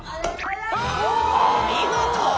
お見事！